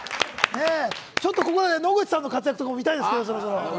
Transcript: ちょっとここで野口さんの活躍も見たいですけど。